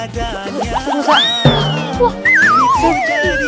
tuhan tuhan tuhan